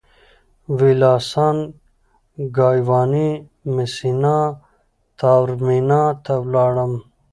ویلاسان ګایواني مسینا تاورمینا ته ولاړم.